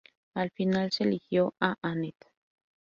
Al final se eligió a Anette.